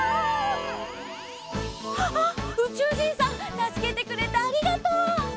「あうちゅうじんさんたすけてくれてありがとう」